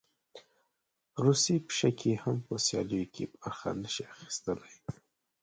روسۍ پیشکې هم په سیالیو کې برخه نه شي اخیستلی.